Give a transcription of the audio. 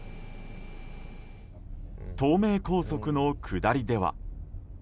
東名高速の下りでは。